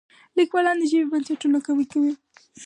لیکوالان د ژبې بنسټونه قوي کوي.